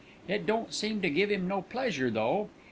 It don't seem to give 'im no pleasure though.